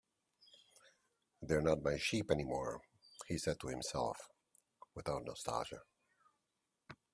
"They're not my sheep anymore," he said to himself, without nostalgia.